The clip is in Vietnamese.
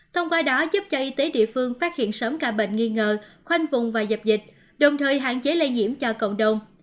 thông qua đó giúp cho y tế địa phương phát hiện sớm ca bệnh nghi ngờ khoanh vùng và dập dịch đồng thời hạn chế lây nhiễm cho cộng đồng